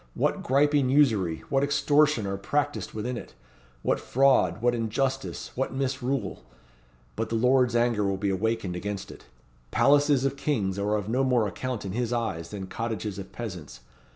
What griping usury, what extortion are practised within it! What fraud, what injustice, what misrule! But the Lord's anger will be awakened against it. Palaces of kings are of no more account in His eyes than cottages of peasants.